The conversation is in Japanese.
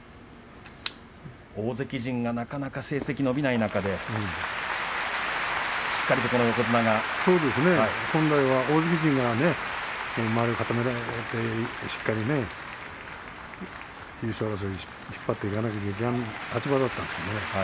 大関陣がなかなか成績が伸びない中でそうですね本来は大関陣が周りを固めてねしっかりね優勝争い引っ張っていかなければいけない立場だったんですけれどもね